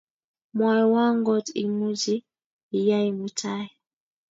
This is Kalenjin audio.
Mwawa ngot imuchi iyai mutai